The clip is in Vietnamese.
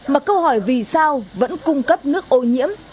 mà câu hỏi vì sao vẫn cung cấp nước ô nhiễm